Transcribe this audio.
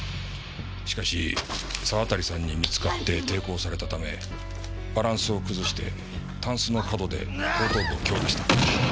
しかし沢渡さんに見つかって抵抗されたためバランスを崩してタンスの角で後頭部を強打した。